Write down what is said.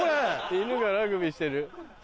犬がラグビーしてる。